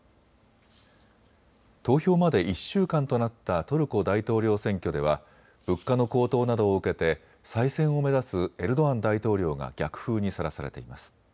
投票まで１週間となったトルコ大統領選挙では物価の高騰などを受けて再選を目指すエルドアン大統領が逆風にさらされています。